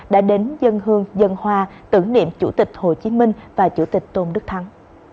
đã đến dân hương dân hoa tưởng niệm chủ tịch hồ chí minh và chủ tịch tôn đức thắng